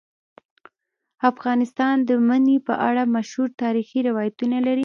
افغانستان د منی په اړه مشهور تاریخی روایتونه لري.